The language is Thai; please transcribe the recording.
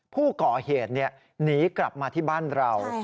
ผู้ก่อเหตุหนีกลับมาที่บ้านเรา